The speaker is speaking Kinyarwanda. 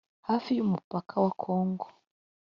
hafi y' umupaka wa congo